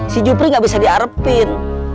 si jupri gak bisa diarepin